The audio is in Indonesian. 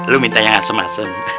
lu minta yang asem asem